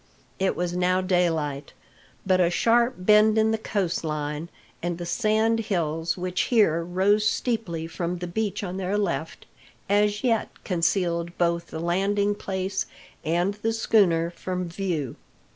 It was now daylight; but a sharp bend in the coast line, and the sand hills which here rose steeply from the beach on their left, as yet concealed both the landing place and the schooner from view.